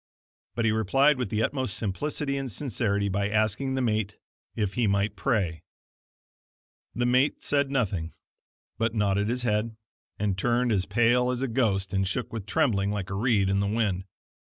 But he replied with the utmost simplicity and sincerity, by asking the mate if he might pray. The mate said nothing, but nodded his head, and turned as pale as a ghost, and shook with trembling like a reed in the wind.